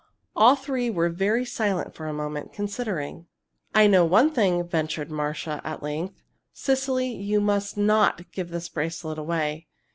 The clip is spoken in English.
All three were very silent for a moment, considering. "I know one thing," ventured Marcia, at length. "Cecily, you must not give this bracelet away.